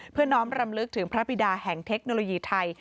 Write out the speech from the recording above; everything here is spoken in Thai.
เพื่อน้องบรรยามลึกถึงพระบิดาแห่งเทคโนโลยีไทย